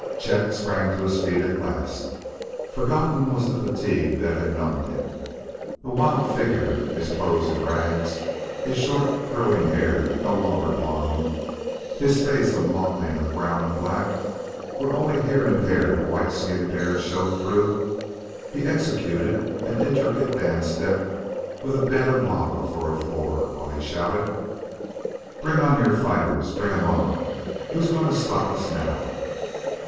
Chet sprang to his feet at last. Forgotten was the fatigue that had numbed him. A wild figure, his clothes in rags, his short, curling hair no longer blond, his face a mottling of brown and black, where only here and there the white skin dared show through he executed an intricate dance step with a bed of lava for a floor, while he shouted: "Bring on your fighters! Bring 'em on! Who's going to stop us now?"